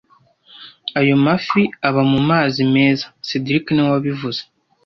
Ayo mafi aba mumazi meza cedric niwe wabivuze